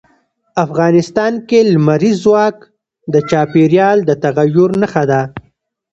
افغانستان کې لمریز ځواک د چاپېریال د تغیر نښه ده.